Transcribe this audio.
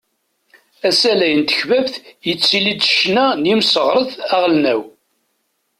Asalay n tekbabt yettili-d s ccna n yimseɣret aɣelnaw.